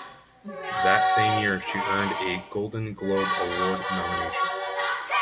That same year, she earned a Golden Globe Award nomination.